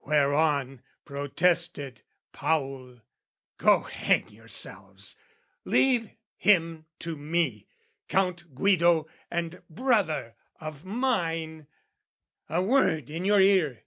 Whereon protested Paul, "Go hang yourselves! "Leave him to me. Count Guido and brother of mine, "A word in your ear!